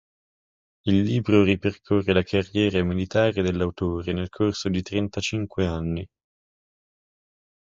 Il libro ripercorre la carriera militare dell'autore, nel corso di trentacinque anni.